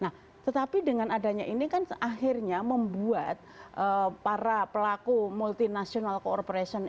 nah tetapi dengan adanya ini kan akhirnya membuat para pelaku multinational corporation